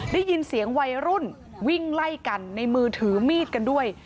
ได้ยินเสียงวัยรุ่นวิ่งไล่กันในมือถือมีดกันด้วย